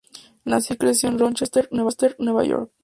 Nació y creció en Rochester, Nueva York.